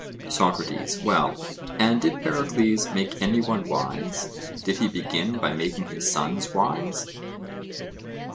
SOCRATES: Well, and did Pericles make any one wise; did he begin by making his sons wise?